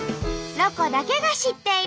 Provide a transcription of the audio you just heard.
「ロコだけが知っている」。